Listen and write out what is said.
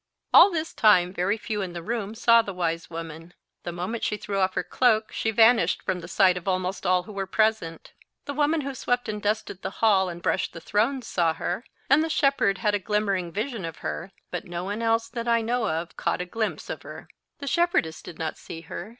All this time very few in the room saw the wise woman. The moment she threw off her cloak she vanished from the sight of almost all who were present. The woman who swept and dusted the hall and brushed the thrones, saw her, and the shepherd had a glimmering vision of her; but no one else that I know of caught a glimpse of her. The shepherdess did not see her.